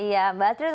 iya mbak astrid